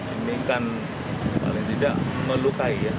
ini kan paling tidak melukai ya